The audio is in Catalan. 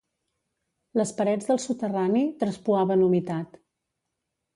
Les parets del soterrani traspuaven humitat.